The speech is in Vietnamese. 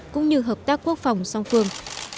cũng như hợp tác quốc phòng song phương